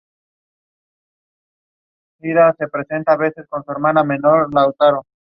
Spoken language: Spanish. Algunos sostienen que su significado representa al carnaval.